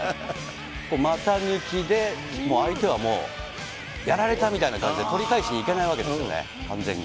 股抜きでもう相手は、やられたみたいな感じで取り返しにいけないわけですよね、完全に。